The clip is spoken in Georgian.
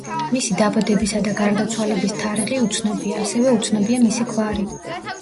მისი დაბადებისა და გარდაცვალების თარიღი უცნობია, ასევე უცნობია მისი გვარი.